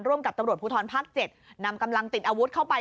กับตำรวจภูทรภาค๗นำกำลังติดอาวุธเข้าไป